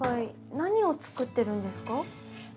何を作ってるんですか？